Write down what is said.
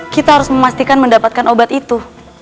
kita harus memastikan mendapatkan obat itu